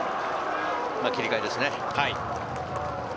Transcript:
切り替えですね。